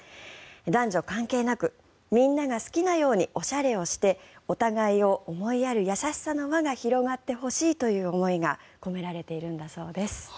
男女関係なくみんなが好きなようにおしゃれをしてお互いを思いやる思いやりの輪が広がってほしいという思いが込められているんだそうです。